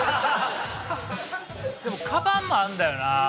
でもカバンもあるんだよな。